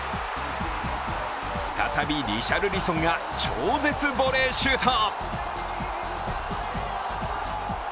再びリシャルリソンが超絶ボレーシュート。